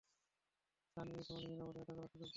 সান Yi তোমাকে নিরাপদে এটা করার সুযোগ দিন।